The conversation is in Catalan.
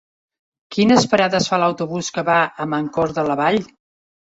Quines parades fa l'autobús que va a Mancor de la Vall?